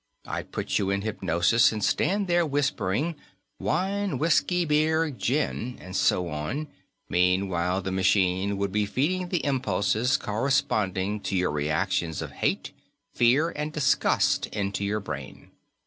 I'd put you in hypnosis and stand there whispering 'wine, whisky, beer, gin,' and so on; meanwhile, the machine would be feeding the impulses corresponding to your reactions of hate, fear, and disgust into your brain.